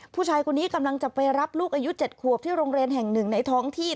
ผู้ชายคนนี้กำลังจะไปรับลูกอายุ๗ขวบที่โรงเรียนแห่งหนึ่งในท้องที่